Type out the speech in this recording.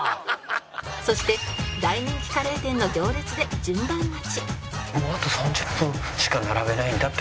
そして大人気カレー店の行列で順番待ち